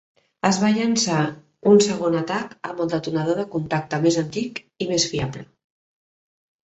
Es va llançar un segon atac amb el detonador de contacte més antic, i més fiable.